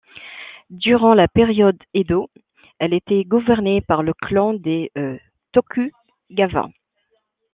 Durant la période Edo, elle était gouvernée par le clan des Tokugawa.